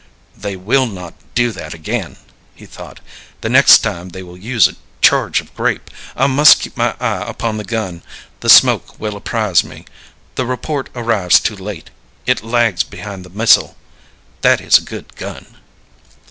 "They will not do that again," he thought; "the next time they will use a charge of grape. I must keep my eye upon the gun; the smoke will apprise me the report arrives too late; it lags behind the missile. That is a good gun."